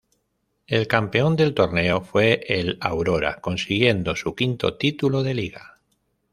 El campeón del torneo fue el Aurora, consiguiendo su quinto título de liga.